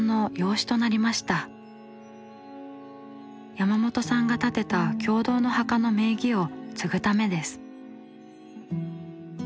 山本さんが建てた共同の墓の名義を継ぐためです。